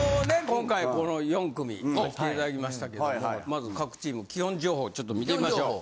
今回この４組来ていただきましたけどもまず各チーム基本情報ちょっと見てみましょう。